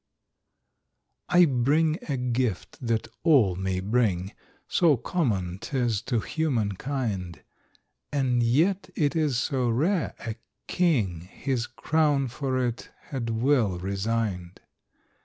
I bring a gift that all may bring, So common 'tis to human kind; And yet it is so rare, a king His crown for it had well resigned.